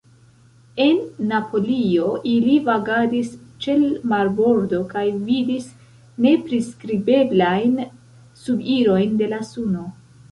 En Napolio ili vagadis ĉe l' marbordo kaj vidis nepriskribeblajn subirojn de la suno.